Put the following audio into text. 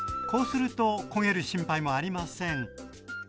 こうすると焦げる心配もありません